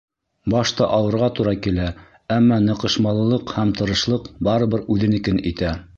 Башта ауырға тура килә, әммә ныҡышмалылыҡ һәм тырышлыҡ барыбер үҙенекен итә.